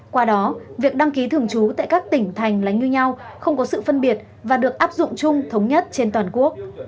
qua đó việc đăng ký thường trú tại các tỉnh thành là như nhau không có sự phân biệt và được áp dụng chung thống nhất trên toàn quốc